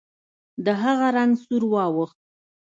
د هغه رنګ سور واوښت.